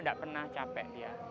enggak pernah capek dia